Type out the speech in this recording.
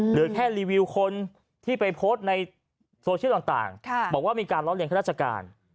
หรือแค่รีวิวคนที่ไปโพสต์ในโซเชียลต่างบอกว่ามีการล้อเรียนข้าราชการ